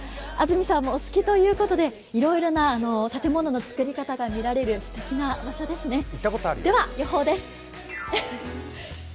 安住さんもお好きということで、いろいろな建物のつくり方が見られるすてきな場所ですね。